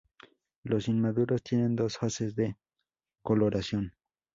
Los inmaduros tienen dos fases de coloración.